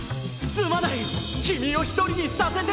すまない君を一人にさせてしまって！